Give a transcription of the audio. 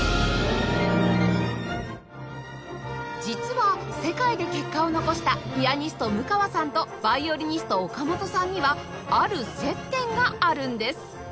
実は世界で結果を残したピアニスト務川さんとヴァイオリニスト岡本さんにはある接点があるんです